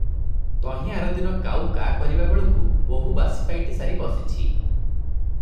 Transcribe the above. ତହିଁ ଆରଦିନ କାଉ କା କରିବାବେଳକୁ ବୋହୂ ବାସି ପାଇଟି ସାରି ବସିଛି ।